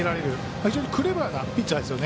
非常にクレバーなピッチャーですよね。